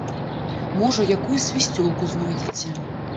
Можа, якую свісцёлку знойдзеце.